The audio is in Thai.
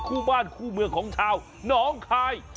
คู่บ้านคู่เมืองของชาวหนองคาย